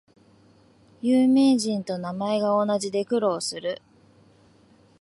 有名人と名前が同じで苦労する